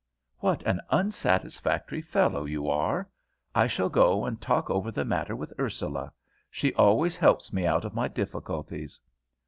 "What an unsatisfactory fellow you are! I shall go and talk over the matter with Ursula she always helps me out of my difficulties."